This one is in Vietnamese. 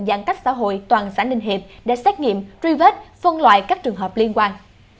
giãn cách xã hội toàn xã ninh hiệp để xét nghiệm truy vết phân loại các trường hợp liên quan